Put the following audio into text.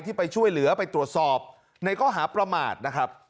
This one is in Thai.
ไปช่วยเหลือไปตรวจสอบในข้อหาประมาทนะครับ